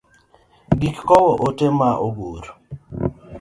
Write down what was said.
Gik kowo ote ma ogur.